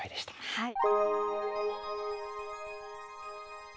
はい。